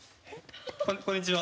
こんにちは。